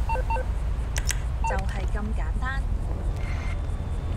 就係咁簡單